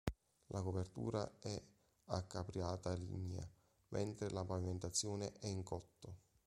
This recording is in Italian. La copertura è a capriata lignea, mentre la pavimentazione è in cotto.